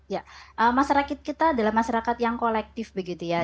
ya masyarakat kita adalah masyarakat yang kolektif begitu ya